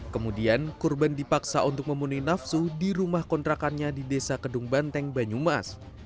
kemudian korban dipaksa untuk memunih nafsu di rumah kontrakannya di desa kedung banteng banyumas